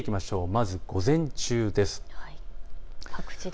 まず午前中です。